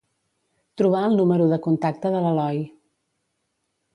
Trobar el número de contacte de l'Eloi.